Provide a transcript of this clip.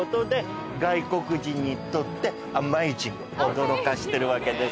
驚かしてるわけです。